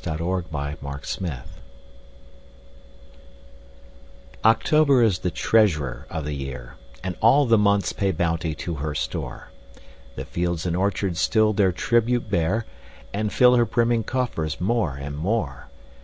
Paul Laurence Dunbar October OCTOBER is the treasurer of the year, And all the months pay bounty to her store: The fields and orchards still their tribute bear, And fill her brimming coffers more and more.